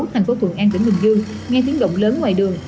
tp thuận an tỉnh bình dương nghe tiếng động lớn ngoài đường